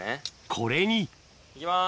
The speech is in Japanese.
これに行きます。